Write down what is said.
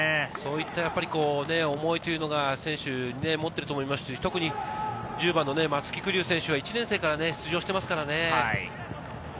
そういった思いというのを選手に持っていると思いますし、特に１０番の松木玖生選手は１年生から出場していますからね。